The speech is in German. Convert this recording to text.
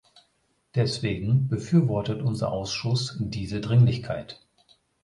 Deswegen befürwortet unser Ausschuss diese Dringlichkeit.